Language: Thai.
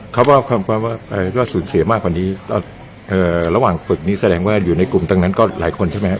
เขาก็สูญเสียมากกว่านี้ระหว่างฝึกนี้แสดงว่าอยู่ในกลุ่มตั้งนั้นก็หลายคนใช่ไหมครับ